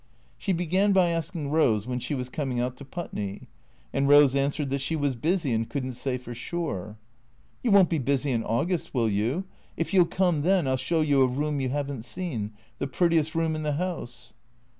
She began by asking Rose when she was coming out to Put ney ? And Rose answered that she was busy and could n't say for sure. " You won't be busy in August, will you ? If you '11 come then I '11 show you a room you have n't seen, the prettiest room in the house."